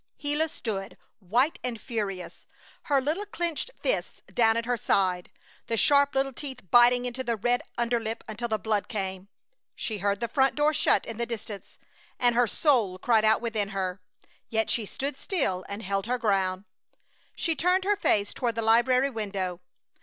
Gila stood, white and furious, her little clenched fists down at her sides, the sharp little teeth biting into the red underlip until the blood came. She heard the front door shut in the distance, and her soul cried out within her, yet she stood still and held her ground. She turned her face toward the library window.